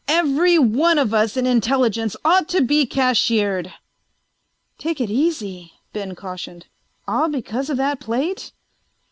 "Every one of us in Intelligence ought to be cashiered!" "Take it easy," Ben cautioned. "All because of that plate?"